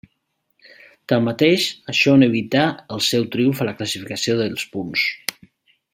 Tanmateix, això no evità el seu triomf a la classificació dels punts.